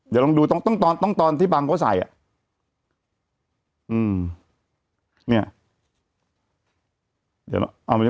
เดี๋ยวลองดูต้องตอนต้องตอนที่บังเขาใส่อ่ะอืมเนี้ยเดี๋ยวเอามา